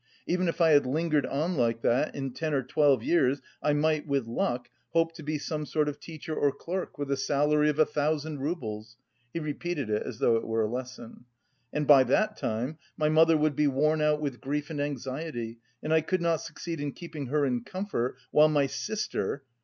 Even if I had lingered on like that, in ten or twelve years I might (with luck) hope to be some sort of teacher or clerk with a salary of a thousand roubles" (he repeated it as though it were a lesson) "and by that time my mother would be worn out with grief and anxiety and I could not succeed in keeping her in comfort while my sister...